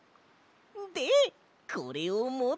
でこれをもって。